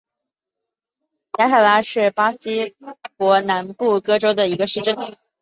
雅凯拉是巴西伯南布哥州的一个市镇。